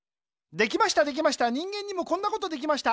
できましたできました人間にもこんなことできました。